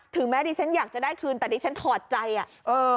แม้ดิฉันอยากจะได้คืนแต่ดิฉันถอดใจอ่ะเออ